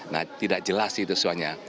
nah tidak jelas itu soalnya